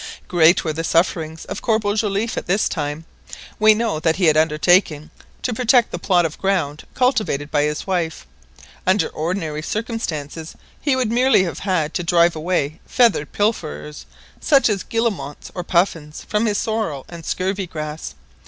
Great were the sufferings of Corporal Joliffe at this time. We know that he had undertaken to protect the plot of ground cultivated by his wife. Under ordinary circumstances he would merely have had to drive away feathered pilferers, such as guillemots or puffins, from his sorrel and scurvy grass.